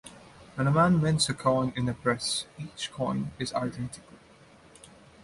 When a man mints a coin in a press, each coin is identical.